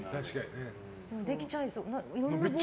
できちゃいそう。